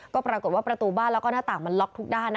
ก็ปรากฏว่าประตูบ้านแล้วก็หน้าต่างมันล็อกทุกด้าน